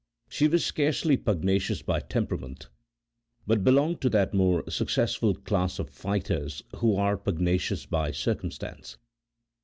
She was scarcely pugnacious by temperament, but belonged to that more successful class of fighters who are pugnacious by circumstance.